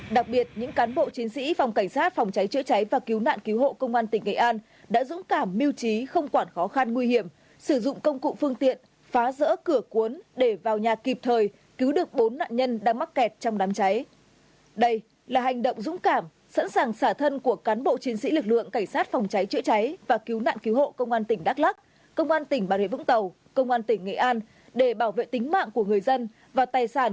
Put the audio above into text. đặc biệt những cán bộ chiến sĩ phòng cảnh sát phòng cháy chữa cháy và cứu nạn cứu hộ công an tỉnh nghệ an đã dũng cảm miêu trí không quản khó khăn nguy hiểm sử dụng công cụ phương tiện phá rỡ cửa cuốn để vào nhà kịp thời cứu được bốn nạn nhân đang mắc kẹt trong đám cháy